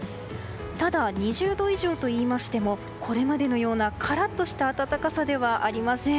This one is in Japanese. ただ、２０度以上といいましてもこれまでのような、カラッとした暖かさではありません。